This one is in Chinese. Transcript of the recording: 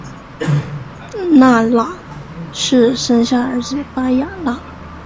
纳喇氏生下儿子巴雅喇。